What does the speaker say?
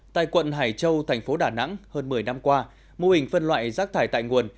tại quận hải châu thành phố đà nẵng hơn một mươi năm qua mô hình phân loại rác thải tại nguồn